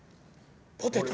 ポテト！？